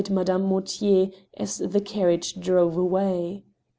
Madame Mortier as the carriage drove away.